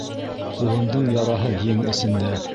Ҡулымдың яраһы ең эсендә